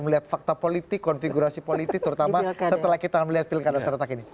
melihat fakta politik konfigurasi politik terutama setelah kita melihat pilkada seretak ini